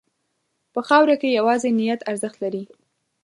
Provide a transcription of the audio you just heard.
په خاوره کې یوازې نیت ارزښت لري.